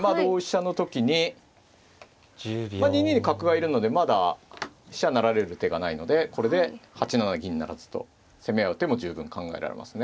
まあ２二に角がいるのでまだ飛車成られる手がないのでこれで８七銀不成と攻め合う手も十分考えられますね。